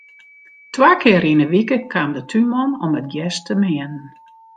Twa kear yn 'e wike kaam de túnman om it gjers te meanen.